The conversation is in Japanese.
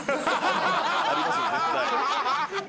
ありますね絶対。